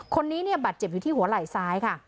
คนนี้เนี่ยบาดเจ็บอยู่ที่หัวไหล่ซ้ายค่ะ